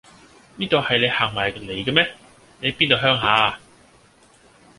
呢度係你行埋嚟嘅咩？你邊度鄉下呀？